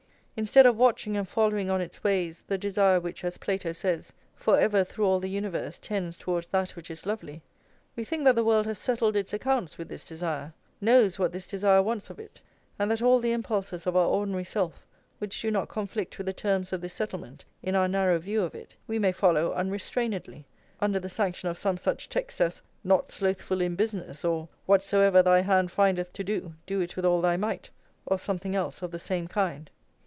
Instead of watching and following on its ways the desire which, as Plato says, "for ever through all the universe tends towards that which is lovely," we think that the world has settled its accounts with this desire, knows what this desire wants of it, and that all the impulses of our ordinary self which do not conflict with the terms of this settlement, in our narrow view of it, we may follow unrestrainedly, under the sanction of some such text as "Not slothful in business," or, "Whatsoever thy hand findeth to do, do it with all thy might," or something else of the same kind.